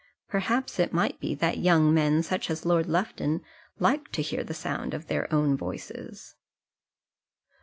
Perhaps it might be that young men, such as Lord Lufton, liked to hear the sound of their own voices.